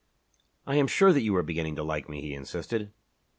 "I am sure that you were beginning to like me," he insisted.